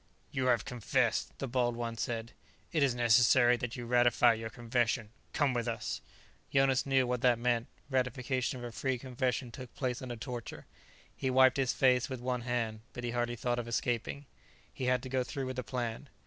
"You have confessed," the bald one said. "It is necessary that you ratify your confession. Come with us." Jonas knew what that meant: ratification of a free confession took place under torture. He wiped his face with one hand, but he hardly thought of escaping. He had to go through with the plan.